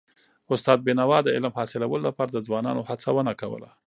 استاد بينوا د علم حاصلولو لپاره د ځوانانو هڅونه کوله.